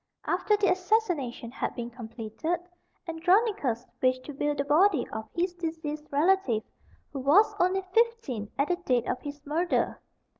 After the assassination had been completed, Andronicus wished to view the body of his deceased relative, who was only fifteen at the date of his murder.